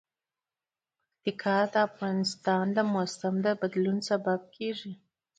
پکتیکا د افغانستان د موسم د بدلون سبب کېږي.